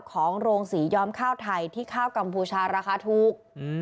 ของโรงศรีย้อมข้าวไทยที่ข้าวกัมพูชาราคาถูก